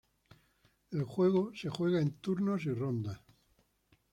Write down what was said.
El juego se juega en turnos y rondas.